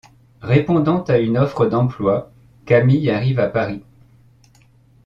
Répondant à une offre d'emploi, Camille arrive à Paris.